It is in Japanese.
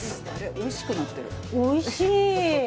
「おいしくなってる」。